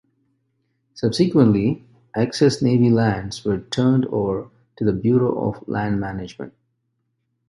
Subsequently, excess Navy lands were turned over to the Bureau of Land Management.